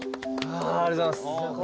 ありがとうございます。